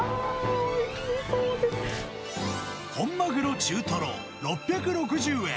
本マグロ中トロ６６０円。